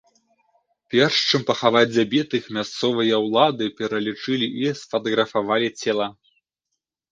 Перш чым пахаваць забітых, мясцовыя ўлады пералічылі і сфатаграфавалі цела.